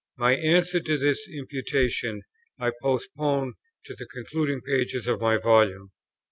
My answer to this imputation I postpone to the concluding pages of my Volume.